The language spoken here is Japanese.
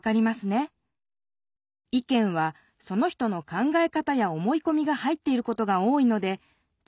意見はその人の考え方や思いこみが入っていることが多いので事